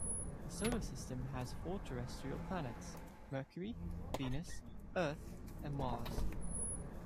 The Solar System has four terrestrial planets: Mercury, Venus, Earth, and Mars.